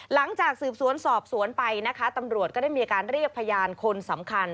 หลังจากสืบสวนสอบสวนไปนะคะตำรวจก็ได้มีการเรียกพยานคนสำคัญ